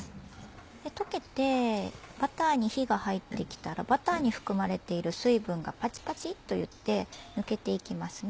溶けてバターに火が入ってきたらバターに含まれている水分がパチパチといって抜けていきます。